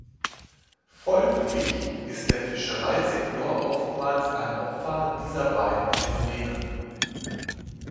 Folglich ist der Fischereisektor oftmals ein Opfer dieser beiden Phänomene.